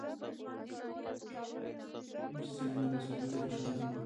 جیسلمیر د سرو زرو ښار دی.